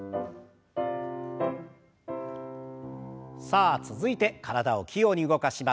さあ続いて体を器用に動かします。